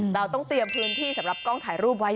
เราต้องเตรียมพื้นที่สำหรับกล้องถ่ายรูปไว้